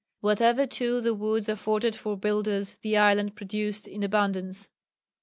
Whatever, too, the woods afforded for builders the island produced in abundance.